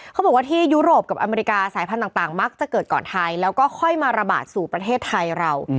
เขาบอกว่าที่ยุโรปกับอเมริกาสายพันธุ์ต่างมักจะเกิดก่อนไทยแล้วก็ค่อยมาระบาดสู่ประเทศไทยเรา